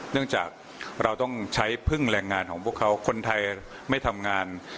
ซึ่งแรงงานของพวกเขาคนไทยไม่ทำงาน